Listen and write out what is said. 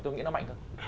tôi nghĩ nó mạnh hơn